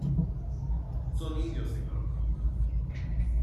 son indios, señor...